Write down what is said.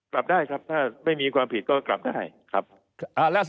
กลับได้ครับถ้าไม่มีความผิดก็กลับได้ครับ